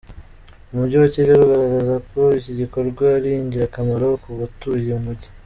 Umujyi wa Kigali ugaragaza ko iki gikorwa ari ingirakamaro ku batuye Umujyi.